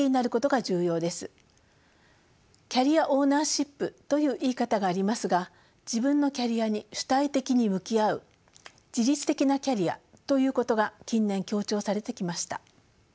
キャリアオーナーシップという言い方がありますが自分のキャリアに主体的に向き合う自律的なキャリアということが近年強調されてきました。